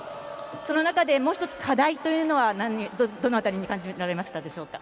その中でもう一つ課題というのはどのあたりに感じられましたでしょうか。